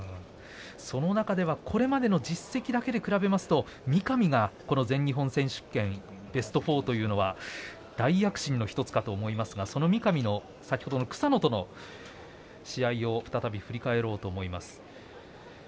その中でこれまでの実績で比べると三上が全日本選手権ベスト４というのは大躍進の１つかと思いますがその三上の先ほどの、草野との試合を再び振り返ろうと思います。